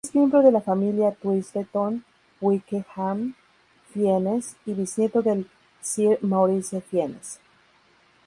Es miembro de la familia Twisleton-Wykeham-Fiennes y bisnieto de Sir Maurice Fiennes.